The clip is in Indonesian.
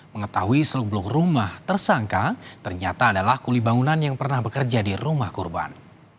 mengetahui selubluh rumah tersangka ternyata adalah kuli bangunan yang pernah bekerja di rumah korban